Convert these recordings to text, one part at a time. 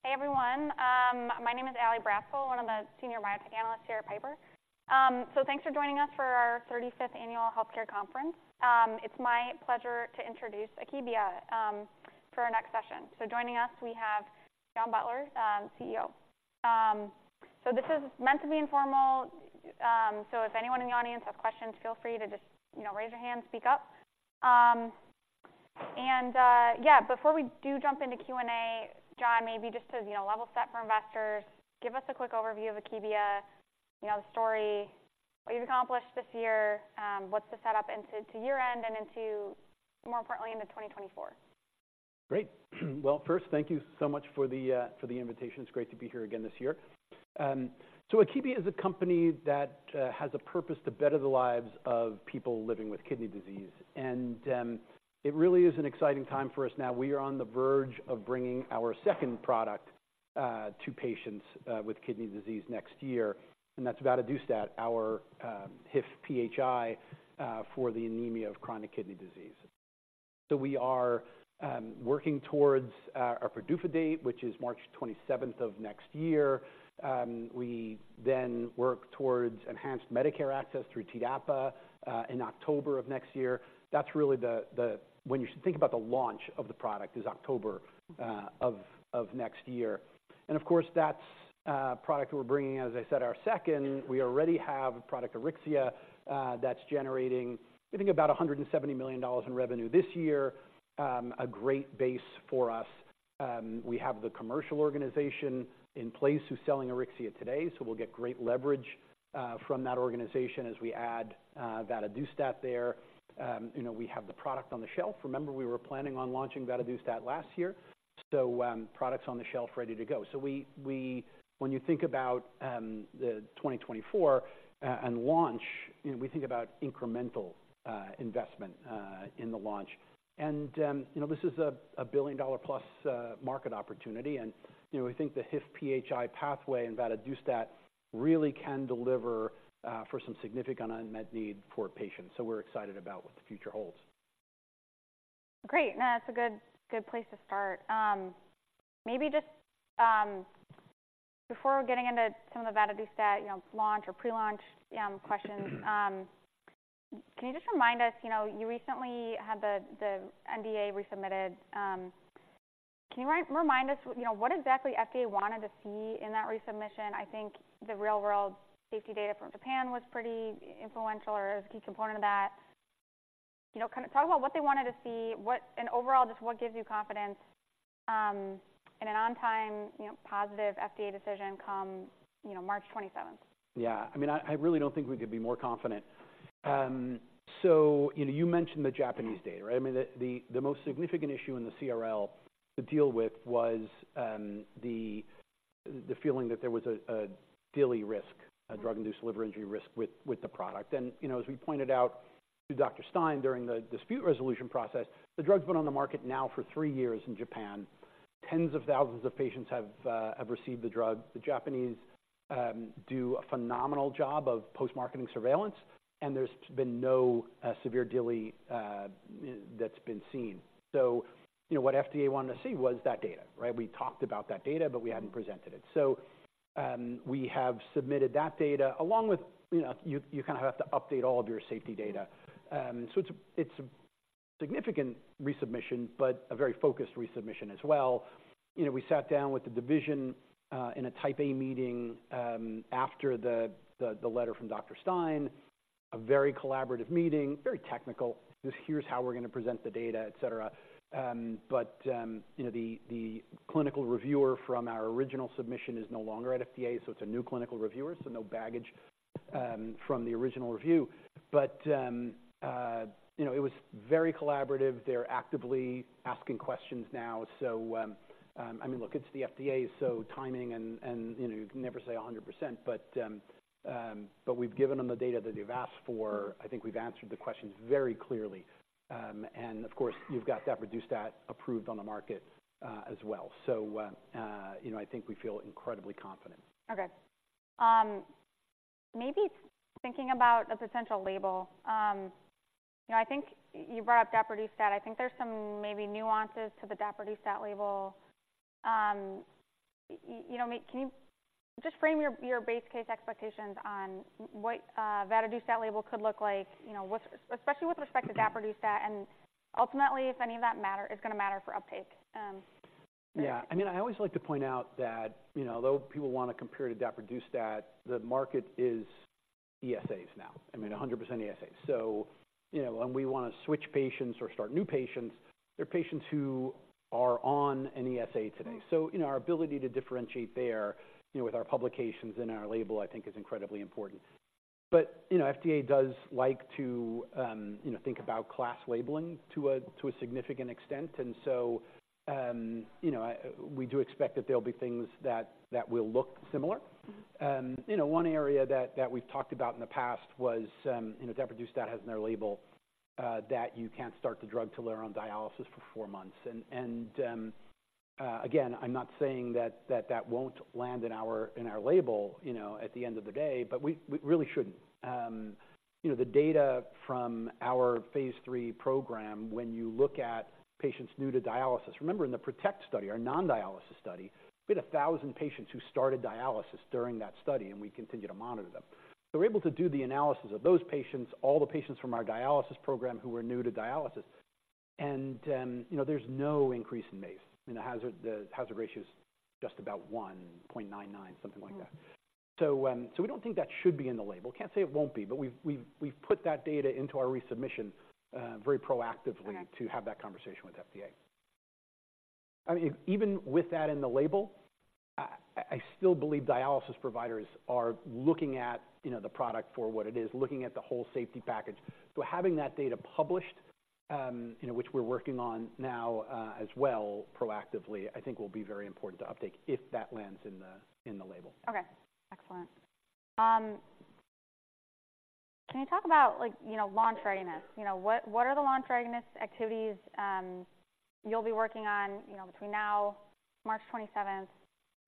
Hey, everyone. My name is Allison Bratzel, one of the senior biotech analysts here at Piper. So thanks for joining us for our 35th Annual Healthcare Conference. It's my pleasure to introduce Akebia for our next session. So joining us, we have John Butler, CEO. So this is meant to be informal, so if anyone in the audience have questions, feel free to just, you know, raise your hand, speak up. And, yeah, before we do jump into Q&A, John, maybe just to, you know, level set for investors, give us a quick overview of Akebia, you know, the story, what you've accomplished this year, what's the setup into, to your end and into, more importantly, into 2024. Great. Well, first, thank you so much for the invitation. It's great to be here again this year. So Akebia is a company that has a purpose to better the lives of people living with kidney disease, and it really is an exciting time for us now. We are on the verge of bringing our second product to patients with kidney disease next year, and that's vadadustat, our HIF-PHI, for the anemia of chronic kidney disease. So we are working towards our PDUFA date, which is March twenty-seventh of next year. We then work towards enhanced Medicare access through TDAPA in October of next year. That's really the... When you think about the launch of the product, is October of next year. Of course, that's product we're bringing, as I said, our second. We already have product Auryxia, that's generating, I think about $170 million in revenue this year. A great base for us. We have the commercial organization in place who's selling Auryxia today, so we'll get great leverage from that organization as we add vadadustat there. You know, we have the product on the shelf. Remember, we were planning on launching vadadustat last year, so product's on the shelf ready to go. When you think about the 2024 and launch, you know, we think about incremental investment in the launch. You know, this is a billion-dollar-plus market opportunity and, you know, we think the HIF-PHI pathway and vadadustat really can deliver for some significant unmet need for patients. So we're excited about what the future holds. Great. No, that's a good, good place to start. Maybe just before getting into some of the vadadustat, you know, launch or pre-launch questions—can you just remind us, you know, you recently had the NDA resubmitted. Can you remind us, you know, what exactly FDA wanted to see in that resubmission? I think the real-world safety data from Japan was pretty influential or as a key component of that. You know, kind of talk about what they wanted to see, what—and overall, just what gives you confidence in an on-time, you know, positive FDA decision come, you know, March 27th. Yeah, I mean, I really don't think we could be more confident. So you know, you mentioned the Japanese data, right? I mean, the most significant issue in the CRL to deal with was the feeling that there was a DILI risk, a Drug-Induced Liver Injury risk with the product. And, you know, as we pointed out to Dr. Stein during the dispute resolution process, the drug's been on the market now for three years in Japan. Tens of thousands of patients have received the drug. The Japanese do a phenomenal job of post-marketing surveillance, and there's been no severe DILI that's been seen. So, you know, what FDA wanted to see was that data, right? We talked about that data, but we hadn't presented it. So, we have submitted that data along with, you know, you kind of have to update all of your safety data. So it's a significant resubmission, but a very focused resubmission as well. You know, we sat down with the division in a Type A Meeting after the letter from Dr. Stein, a very collaborative meeting, very technical. Just here's how we're going to present the data, et cetera. But you know, the clinical reviewer from our original submission is no longer at FDA, so it's a new clinical reviewer, so no baggage from the original review. But you know, it was very collaborative. They're actively asking questions now. So, I mean, look, it's the FDA, so timing and, you know, you can never say 100%, but, but we've given them the data that they've asked for. I think we've answered the questions very clearly. And of course, you've got that vadadustat approved on the market, as well. So, you know, I think we feel incredibly confident. Okay. Maybe thinking about a potential label. You know, I think you brought up daprodustat. I think there's some maybe nuances to the daprodustat label. You know, can you just frame your base case expectations on what vadadustat label could look like? You know, with, especially with respect to daprodustat, and ultimately, if any of that matter, is going to matter for uptake. Yeah. I mean, I always like to point out that, you know, although people want to compare to daprodustat, the market is ESAs now. I mean, 100% ESAs. So, you know, when we want to switch patients or start new patients, they're patients who are on an ESA today. So, you know, our ability to differentiate there, you know, with our publications and our label, I think is incredibly important. But, you know, FDA does like to, you know, think about class labeling to a significant extent, and so, you know, we do expect that there'll be things that will look similar. Mm-hmm. You know, one area that we've talked about in the past was, you know, daprodustat has in their label that you can't start the drug till they're on dialysis for four months. And again, I'm not saying that that won't land in our label, you know, at the end of the day, but we really shouldn't. You know, the data from our phase III program, when you look at patients new to dialysis, remember in the PRO2TECT study, our non-dialysis study, we had 1,000 patients who started dialysis during that study, and we continued to monitor them. So we're able to do the analysis of those patients, all the patients from our dialysis program who were new to dialysis, and, you know, there's no increase in MACE. I mean, the hazard ratio is just about 1.99, something like that. So, so we don't think that should be in the label. Can't say it won't be, but we've put that data into our resubmission, very proactively- Okay. to have that conversation with FDA. I mean, even with that in the label, I still believe dialysis providers are looking at, you know, the product for what it is, looking at the whole safety package. So having that data published, you know, which we're working on now, as well, proactively, I think will be very important to update if that lands in the label. Okay, excellent. Can you talk about like, you know, launch readiness? You know, what, what are the launch readiness activities, you'll be working on, you know, between now, March 27th,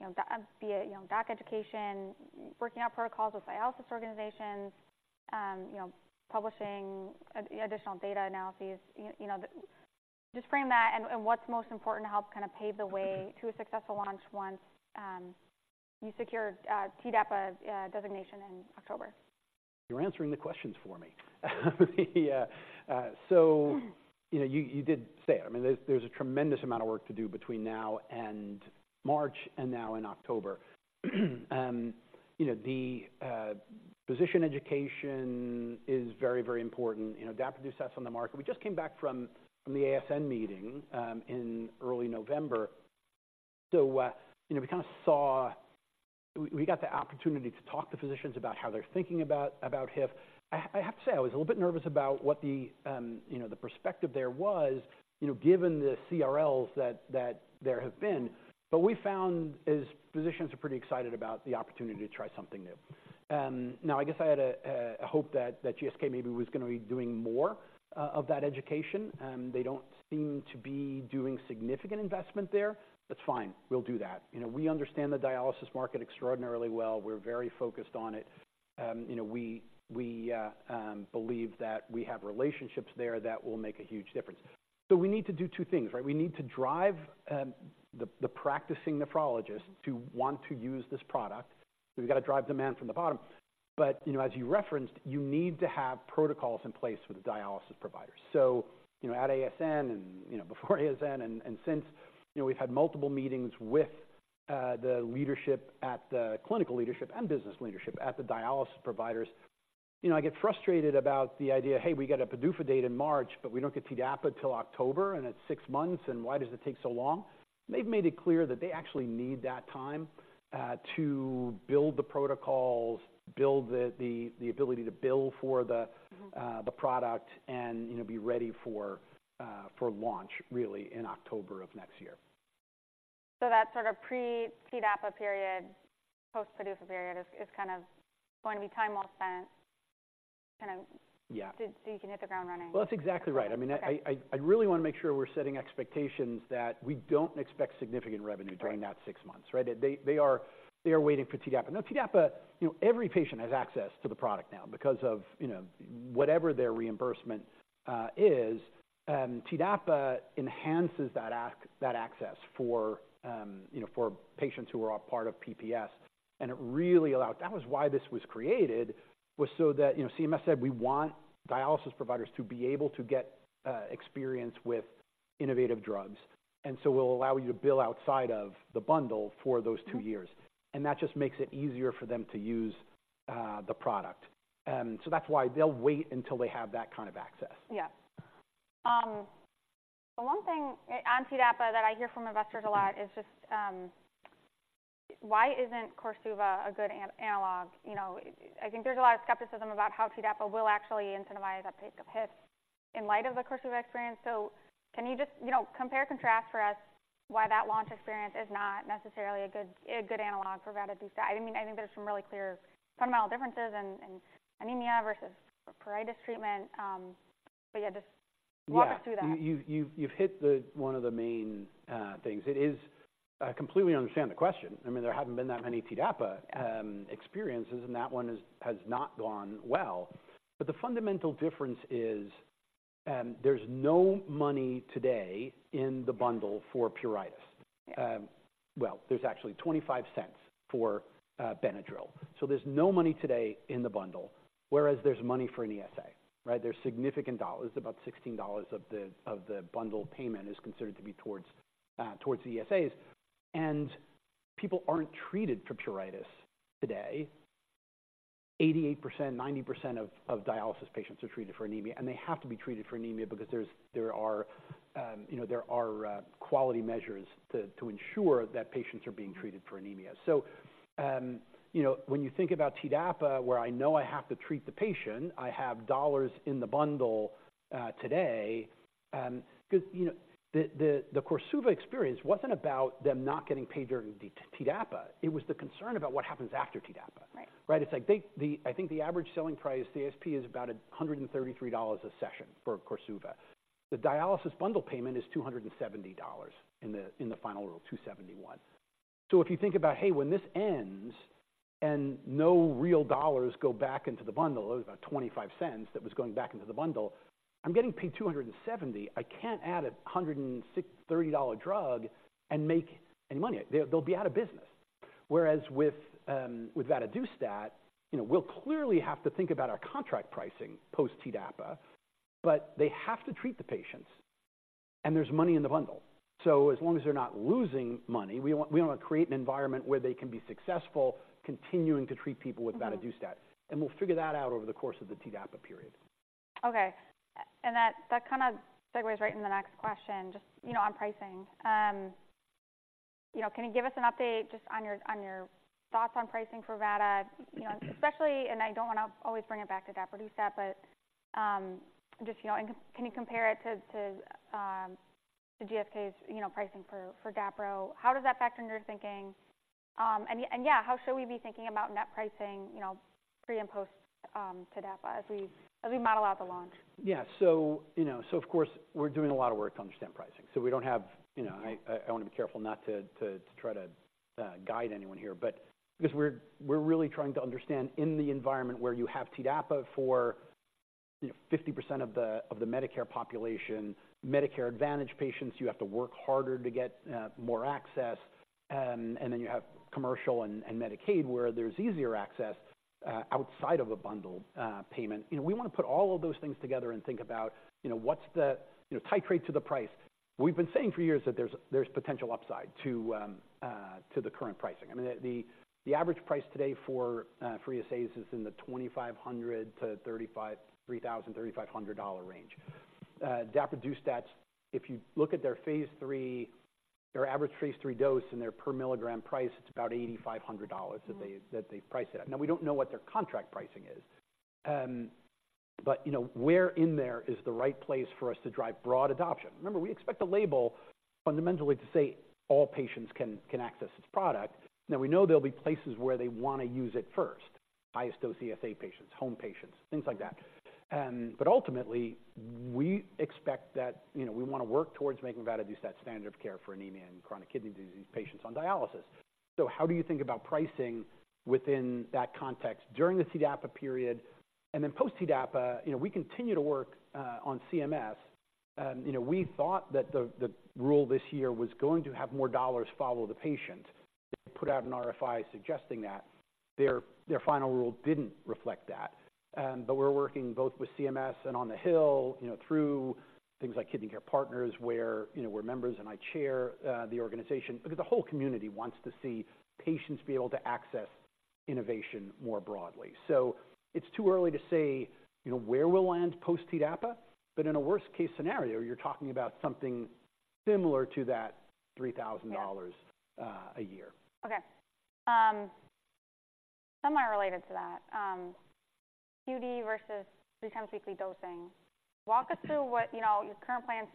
you know, be it, you know, doc education, working out protocols with dialysis organizations, you know, publishing additional data analyses? You know, just frame that and, and what's most important to help kind of pave the way to a successful launch once you secure TDAPA designation in October. You're answering the questions for me. So, you know, you did say it. I mean, there's a tremendous amount of work to do between now and March and now and October. You know, the physician education is very, very important, you know, Dapa sets on the market. We just came back from the ASN meeting in early November. So, you know, we kind of saw. We got the opportunity to talk to physicians about how they're thinking about HIF. I have to say, I was a little bit nervous about what the perspective there was, you know, given the CRLs that there have been. But we found is physicians are pretty excited about the opportunity to try something new. Now, I guess I had a hope that GSK maybe was gonna be doing more of that education. They don't seem to be doing significant investment there. That's fine. We'll do that. You know, we understand the dialysis market extraordinarily well. We're very focused on it. You know, we believe that we have relationships there that will make a huge difference. So we need to do two things, right? We need to drive the practicing nephrologist to want to use this product. So we've got to drive demand from the bottom. But, you know, as you referenced, you need to have protocols in place with the dialysis providers. So, you know, at ASN and, you know, before ASN and, and since, you know, we've had multiple meetings with the leadership at the clinical leadership and business leadership at the dialysis providers. You know, I get frustrated about the idea, "Hey, we got a PDUFA date in March, but we don't get TDAPA until October, and it's six months, and why does it take so long?" They've made it clear that they actually need that time to build the protocols, build the, the, the ability to bill for the- Mm-hmm. the product and, you know, be ready for for launch really in October of next year. So that sort of pre-TDAPA period, post-PDUFA period is kind of going to be time well spent, kind of- Yeah. So you can hit the ground running. Well, that's exactly right. Okay. I mean, I really want to make sure we're setting expectations that we don't expect significant revenue- Right. During that 6 months, right? They are waiting for TDAPA. Now, TDAPA, you know, every patient has access to the product now because of, you know, whatever their reimbursement is. TDAPA enhances that access for, you know, for patients who are all part of PPS, and it really allows. That was why this was created, was so that, you know, CMS said: We want dialysis providers to be able to get experience with innovative drugs, and so we'll allow you to bill outside of the bundle for those two years. Mm-hmm. That just makes it easier for them to use the product. That's why they'll wait until they have that kind of access. Yeah. One thing on TDAPA that I hear from investors a lot is just, why isn't Korsuva a good analog? You know, I think there's a lot of skepticism about how TDAPA will actually incentivize uptake of HIF in light of the KORSUVA experience. So can you just, you know, compare and contrast for us why that launch experience is not necessarily a good analog for that at least? I mean, I think there's some really clear fundamental differences in anemia versus pruritus treatment. But yeah, just- Yeah. Walk us through that. You've hit one of the main things. I completely understand the question. I mean, there haven't been that many TDAPA experiences, and that one has not gone well. But the fundamental difference is, there's no money today in the bundle for pruritus. Yeah. Well, there's actually $0.25 for Benadryl, so there's no money today in the bundle, whereas there's money for an ESA, right? There's significant dollars. About $16 of the bundle payment is considered to be towards the ESAs, and people aren't treated for pruritus today. 88%, 90% of dialysis patients are treated for anemia, and they have to be treated for anemia because there are quality measures to ensure that patients are being treated for anemia. So, you know, when you think about TDAPA, where I know I have to treat the patient, I have dollars in the bundle today, 'cause, you know, the Korsuva experience wasn't about them not getting paid during the TDAPA. It was the concern about what happens after TDAPA. Right. Right. It's like the, I think the average selling price, ASP, is about $133 a session for Korsuva. The dialysis bundle payment is $270 in the final rule, $271. So if you think about, hey, when this ends and no real dollars go back into the bundle, it was about $0.25 that was going back into the bundle, I'm getting paid $270. I can't add a $163 drug and make any money. They'll be out of business. Whereas with vadadustat, you know, we'll clearly have to think about our contract pricing post TDAPA, but they have to treat the patients, and there's money in the bundle. As long as they're not losing money, we want, we want to create an environment where they can be successful, continuing to treat people with vadadustat, and we'll figure that out over the course of the TDAPA period. Okay, and that kind of segues right into the next question, just, you know, on pricing. You know, can you give us an update just on your thoughts on pricing for Vada? Mm-hmm. You know, especially, and I don't want to always bring it back to daprodustat, but, just, you know, and can you compare it to, to, to GSK's, you know, pricing for, for daprodustat? How does that factor into your thinking? And, yeah, how should we be thinking about net pricing, you know, pre- and post-TDAPA as we, as we model out the launch? Yeah. So, you know, so of course, we're doing a lot of work to understand pricing. So we don't have, you know, I, I want to be careful not to try to guide anyone here, but because we're really trying to understand in the environment where you have TDAPA for, you know, 50% of the Medicare population, Medicare Advantage patients, you have to work harder to get more access. And then you have commercial and Medicaid, where there's easier access outside of a bundled payment. You know, we want to put all of those things together and think about, you know, what's the... You know, titrate to the price. We've been saying for years that there's potential upside to the current pricing. I mean, the average price today for three ESAs is in the $2,500-$3,500 range. Daprodustat, if you look at their phase III, their average phase III dose and their per milligram price, it's about $8,500- Mm-hmm. -that they, that they price it at. Now, we don't know what their contract pricing is, but, you know, where in there is the right place for us to drive broad adoption? Remember, we expect a label fundamentally to say all patients can, can access this product. Now, we know there'll be places where they want to use it first, highest dose ESA patients, home patients, things like that. But ultimately, we expect that, you know, we want to work towards making vadadustat standard of care for anemia and chronic kidney disease patients on dialysis. So how do you think about pricing within that context during the TDAPA period and then post-TDAPA? You know, we continue to work on CMS. You know, we thought that the rule this year was going to have more dollars follow the patient, put out an RFI suggesting that. Their final rule didn't reflect that. But we're working both with CMS and on the Hill, you know, through things like Kidney Care Partners, where, you know, we're members, and I chair the organization, because the whole community wants to see patients be able to access innovation more broadly. So it's too early to say, you know, where we'll land post-TDAPA, but in a worst-case scenario, you're talking about something similar to that $3,000- Yeah. a year. Okay. Somewhat related to that, QD versus three times weekly dosing. Mm-hmm. Walk us through what, you know, your current plans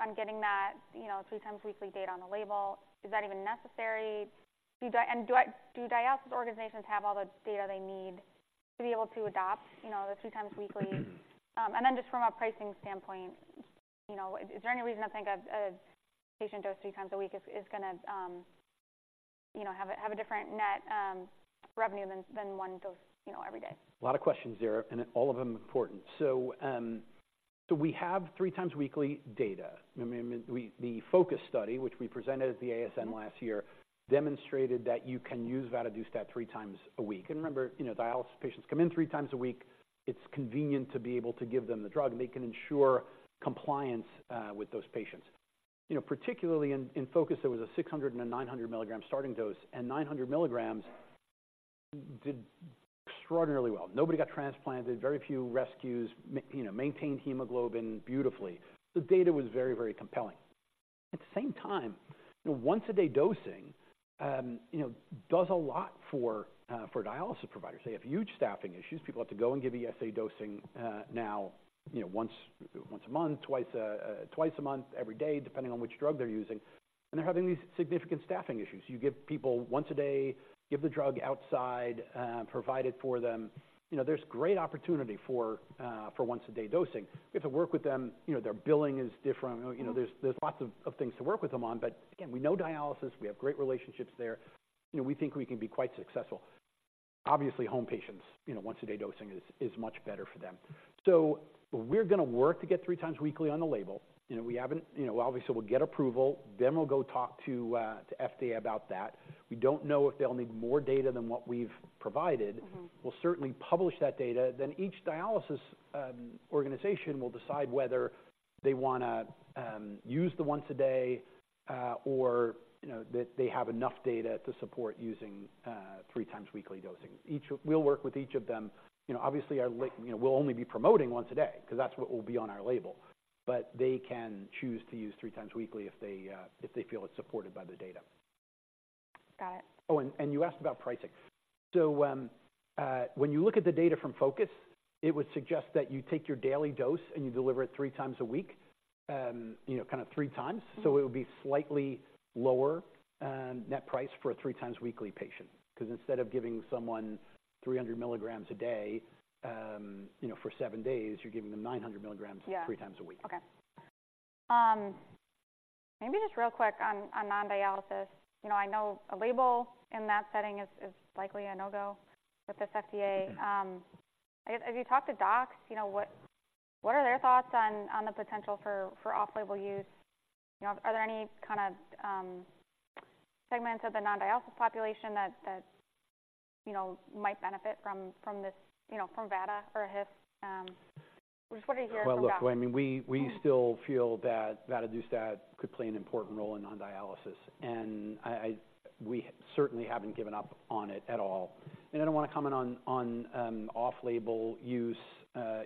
on getting that, you know, three times weekly dose on the label. Is that even necessary? Do dialysis organizations have all the data they need to be able to adopt, you know, the three times weekly? Mm-hmm. And then, just from a pricing standpoint, you know, is there any reason to think a patient dose three times a week is gonna, you know, have a different net revenue than one dose, you know, every day? A lot of questions there, and all of them important. So, so we have three times weekly data. I mean, the FOCUS Study, which we presented at the ASN last year, demonstrated that you can use vadadustat three times a week. And remember, you know, dialysis patients come in three times a week. It's convenient to be able to give them the drug, and they can ensure compliance with those patients. You know, particularly in FOCUS, there was a 600 and a 900 milligram starting dose, and 900 milligrams did extraordinarily well. Nobody got transplanted, very few rescues, you know, maintained hemoglobin beautifully. The data was very, very compelling. At the same time, you know, once-a-day dosing, you know, does a lot for dialysis providers. They have huge staffing issues. People have to go and give ESA dosing, now, you know, once a month, twice a month, every day, depending on which drug they're using, and they're having these significant staffing issues. You give people once a day, give the drug outside, provide it for them. You know, there's great opportunity for once-a-day dosing. We have to work with them. You know, their billing is different. Mm-hmm. You know, there's lots of things to work with them on, but again, we know dialysis. We have great relationships there. You know, we think we can be quite successful. Obviously, home patients, you know, once-a-day dosing is much better for them. So we're gonna work to get three times weekly on the label. You know, we haven't... You know, obviously, we'll get approval, then we'll go talk to FDA about that. We don't know if they'll need more data than what we've provided. Mm-hmm. We'll certainly publish that data. Then each dialysis organization will decide whether they want to use the once a day, or, you know, that they have enough data to support using three times weekly dosing. We'll work with each of them. You know, obviously, our label, you know, we'll only be promoting once a day because that's what will be on our label, but they can choose to use three times weekly if they, if they feel it's supported by the data. Got it. Oh, and you asked about pricing. So, when you look at the data from FOCUS, it would suggest that you take your daily dose, and you deliver it three times a week, you know, kind of three times. Mm-hmm. So it would be slightly lower, net price for a three times weekly patient, because instead of giving someone 300 milligrams a day, you know, for seven days, you're giving them 900 milligrams- Yeah... three times a week. Okay.... Maybe just real quick on, on non-dialysis. You know, I know a label in that setting is, is likely a no-go with this FDA. I guess, as you talk to docs, you know, what, what are their thoughts on, on the potential for, for off-label use? You know, are there any kind of, segments of the non-dialysis population that, that, you know, might benefit from, from this, you know, from VADA or HIF? Just wanted to hear from you. Well, look, I mean, we still feel that vadadustat could play an important role in non-dialysis, and I—we certainly haven't given up on it at all. And I don't want to comment on off-label use.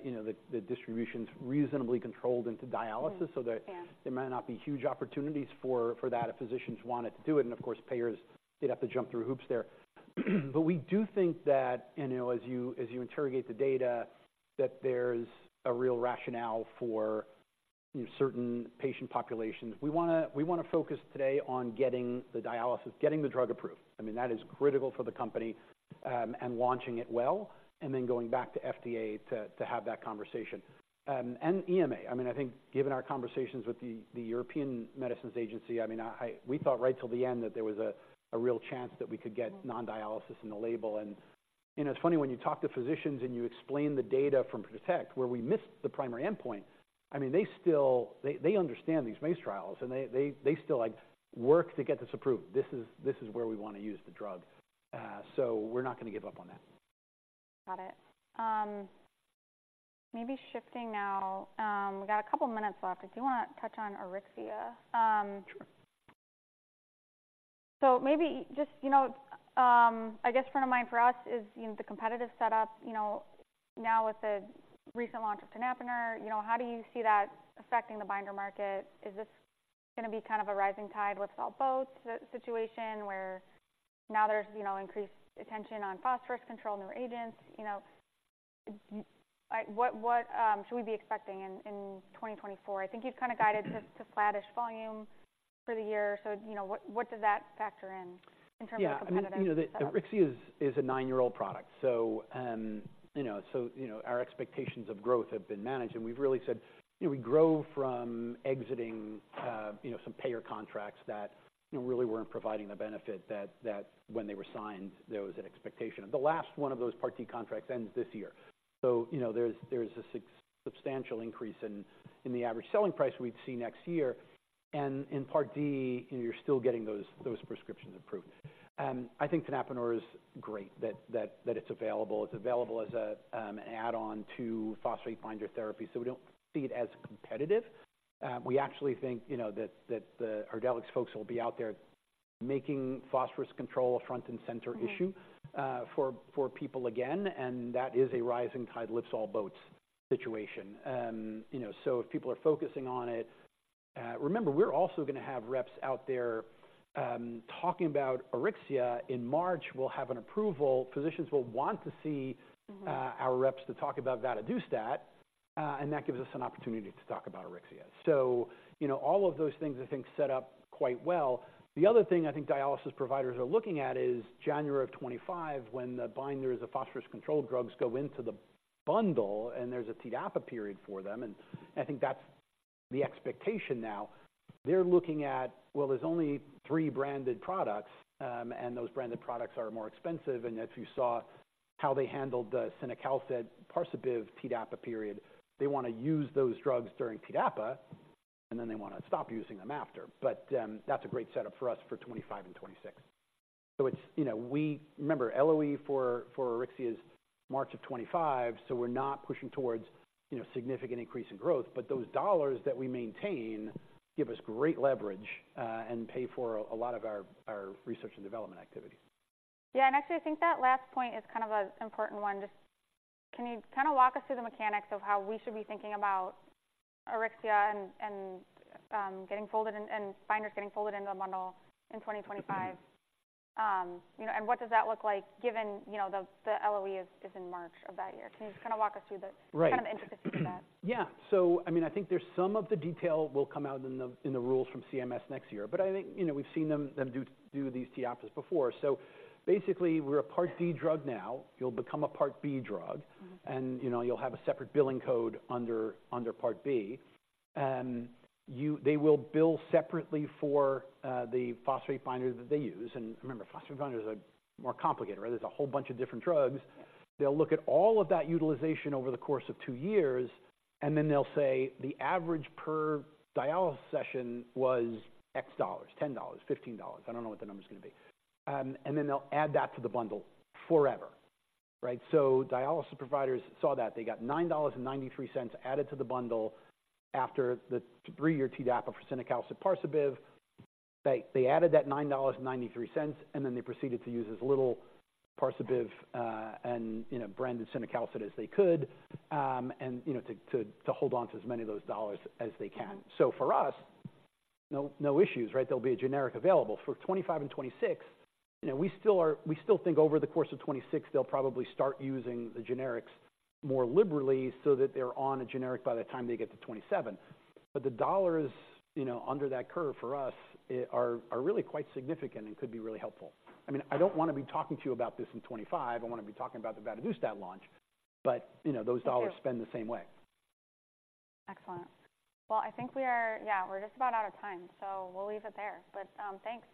You know, the distribution's reasonably controlled into dialysis- Mm-hmm, yeah. So there might not be huge opportunities for that if physicians wanted to do it. And of course, payers, they'd have to jump through hoops there. But we do think that, you know, as you interrogate the data, that there's a real rationale for certain patient populations. We want to focus today on getting the dialysis, getting the drug approved. I mean, that is critical for the company, and launching it well, and then going back to FDA to have that conversation. And EMA, I mean, I think given our conversations with the European Medicines Agency, I mean, we thought right till the end that there was a real chance that we could get- Mm-hmm. non-dialysis in the label. And, you know, it's funny when you talk to physicians and you explain the data from PRO2TECT, where we missed the primary endpoint. I mean, they still... They still like, "Work to get this approved. This is where we want to use the drug." So we're not going to give up on that. Got it. Maybe shifting now, we got a couple minutes left. I do want to touch on Auryxia. Sure. So maybe just, you know, I guess front of mind for us is, you know, the competitive setup, you know, now with the recent launch of Tenapanor, you know, how do you see that affecting the binder market? Is this going to be kind of a rising tide lifts all boats situation, where now there's, you know, increased attention on phosphorus control, new agents? You know, like, what, what, should we be expecting in, in 2024? I think you've kind of guided to flattish volume for the year. So, you know, what, what does that factor in, in terms of competitive? Yeah, I mean, you know, the Auryxia is a nine-year-old product. So, you know, our expectations of growth have been managed and we've really said, you know, we grow from exiting, you know, some payer contracts that, you know, really weren't providing the benefit that when they were signed, there was an expectation. The last one of those Part D contracts ends this year. So, you know, there's a substantial increase in the average selling price we'd see next year. And in Part D, you're still getting those prescriptions approved. I think Tenapanor is great, that it's available. It's available as an add-on to phosphate binder therapy, so we don't see it as competitive. We actually think, you know, that the Ardelyx folks will be out there making phosphorus control a front and center issue- Mm-hmm... for people again, and that is a rising tide lifts all boats situation. You know, so if people are focusing on it, remember, we're also going to have reps out there, talking about Auryxia. In March, we'll have an approval. Physicians will want to see- Mm-hmm... our reps to talk about vadadustat, and that gives us an opportunity to talk about Auryxia. So, you know, all of those things I think, set up quite well. The other thing I think dialysis providers are looking at is January of 2025, when the binders of phosphorus-controlled drugs go into the bundle and there's a TDAPA period for them and I think that's the expectation now. They're looking at, well, there's only three branded products, and those branded products are more expensive. And if you saw how they handled the cinacalcet Parsabiv TDAPA period, they want to use those drugs during TDAPA, and then they want to stop using them after. But, that's a great setup for us for 2025 and 2026. So it's, you know, we remember, LOE for Auryxia is March of 2025, so we're not pushing towards, you know, significant increase in growth. But those dollars that we maintain give us great leverage, and pay for a lot of our research and development activities. Yeah, and actually, I think that last point is kind of an important one. Just, can you kind of walk us through the mechanics of how we should be thinking about Auryxia and getting folded in, and binders getting folded into the bundle in 2025? You know, and what does that look like given, you know, the LOE is in March of that year. Can you just kind of walk us through the- Right. - kind of intricacies of that? Yeah. So, I mean, I think there's some of the detail will come out in the rules from CMS next year, but I think, you know, we've seen them do these TDAPA before. So basically, we're a Part D drug now. You'll become a Part B drug- Mm-hmm. and, you know, you'll have a separate billing code under Part B, and you-- they will bill separately for the phosphate binder that they use. And remember, phosphate binder is more complicated, right? There's a whole bunch of different drugs. They'll look at all of that utilization over the course of two years, and then they'll say, "The average per dialysis session was X dollars, $10, $15." I don't know what the number's gonna be. And then they'll add that to the bundle forever, right? So dialysis providers saw that. They got $9.93 added to the bundle after the three-year TDAPA for cinacalcet Parsabiv. They added that $9.93, and then they proceeded to use as little Parsabiv, and, you know, branded cinacalcet as they could, and, you know, to hold on to as many of those dollars as they can. Mm-hmm. So for us, no, no issues, right? There'll be a generic available. For 2025 and 2026, you know, we still think over the course of 2026, they'll probably start using the generics more liberally so that they're on a generic by the time they get to 2027. But the dollars, you know, under that curve for us, are really quite significant and could be really helpful. I mean, I don't want to be talking to you about this in 2025. I want to be talking about the vadadustat launch, but, you know- Thank you. Those dollars spend the same way. Excellent. Well, I think we are... Yeah, we're just about out of time, so we'll leave it there. But, thanks.